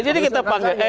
jadi kita panggil